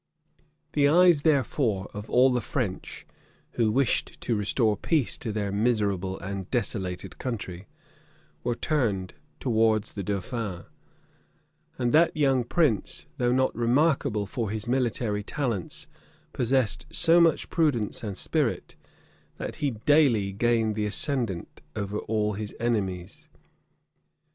The eyes, therefore, of all the French, who wished to restore peace to their miserable and desolated country, were turned towards the dauphin; and that young prince, though not remarkable for his military talents, possessed so much prudence and spirit, that he daily gained the ascendant over all his enemies.